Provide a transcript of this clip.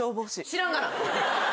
知らんがな。